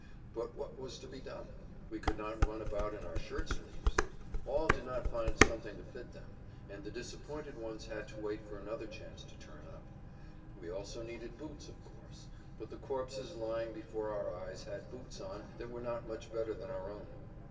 But what was to be done? We could not run about in our shirt sleeves! All did not find something[Pg 109] to fit them, and the disappointed ones had to wait for another chance to turn up. We also needed boots, of course; but the corpses lying before our eyes had boots on that were not much better than our own.